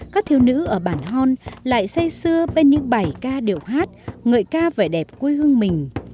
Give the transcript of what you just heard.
các thiếu nữ ở bản hòn lại say xưa bên những bài ca điệu hát ngợi ca vẻ đẹp quê hương mình